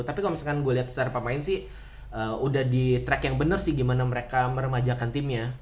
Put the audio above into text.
tapi kalau misalkan gue lihat secara pemain sih udah di track yang benar sih gimana mereka meremajakan timnya